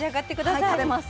はい食べます。